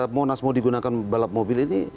monas mau digunakan balap mobil ini